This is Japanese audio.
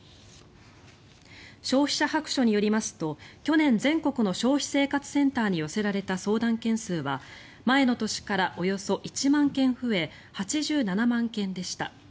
消費者白書によりますと去年、全国の消費生活センターに寄せられた相談件数は前の年からおよそ１万件増え８７万件でした。